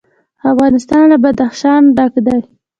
افغانستان له بدخشان ډک دی.